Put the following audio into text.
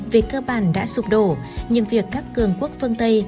về cơ bản đã sụp đổ nhưng việc các cường quốc phương tây